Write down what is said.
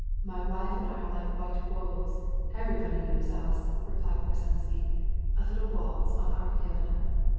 My wife and I are like white wolves—everyone knows us," answered Korsunsky. "A waltz, Anna Arkadyevna?"